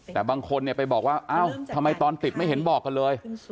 แต่บางคนไปบอกว่าเอ้าทำไมตอนติดไม่เห็นบอกกันเลย